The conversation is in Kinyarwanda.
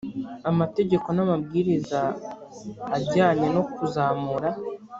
amategeko n amabwiriza ajyanye no kuzamura